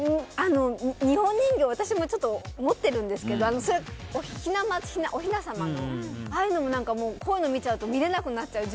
日本人形私も持ってるんですけどお雛様の、ああいうのもこういうの見ちゃうと見れなくなっちゃう。